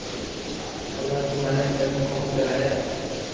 ڀلا تو مني تنگ ڪو ڪري ھيي